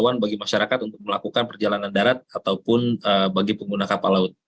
apakah ini memiliki kebijakan masyarakat untuk melakukan perjalanan darat ataupun bagi pengguna kapal laut